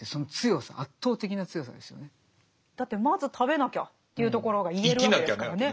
だってまず食べなきゃっていうところが言えるわけですからね。